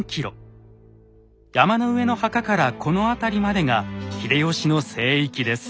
山の上の墓からこの辺りまでが「秀吉の聖域」です。